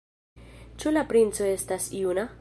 Ĉu la princo estas juna?